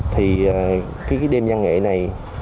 thì cái đêm giang nghệ này